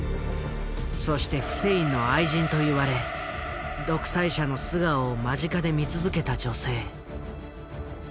そしてフセインの「愛人」と言われ独裁者の素顔を間近で見続けた女性。